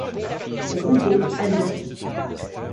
Roubaud haletait.